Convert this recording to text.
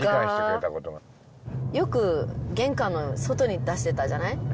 よく玄関の外に出してたじゃない？